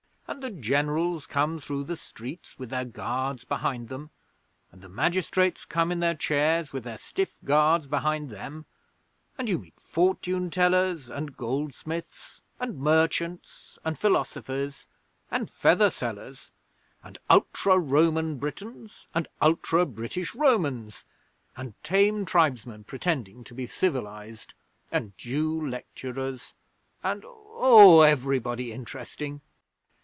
And the Generals come through the streets with their guards behind them; and the magistrates come in their chairs with their stiff guards behind them; and you meet fortune tellers, and goldsmiths, and merchants, and philosophers, and feather sellers, and ultra Roman Britons, and ultra British Romans, and tame tribesmen pretending to be civilised, and Jew lecturers, and oh, everybody interesting.